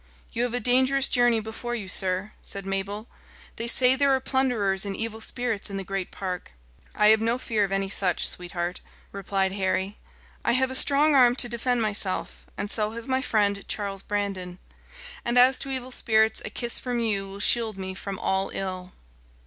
"You have a dangerous journey before you, sir," said Mabel. "They say there are plunderers and evil spirits in the great park." "I have no fear of any such, sweetheart," replied Harry. "I have a strong arm to defend myself, and so has my friend Charles Brandon. And as to evil spirits, a kiss from you will shield me from all ill."